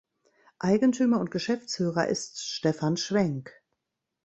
Eigentümer und Geschäftsführer ist Stephan Schwenk.